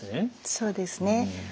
そうですね。